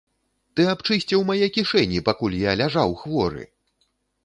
Ты абчысціў мае кішэні, пакуль я ляжаў хворы!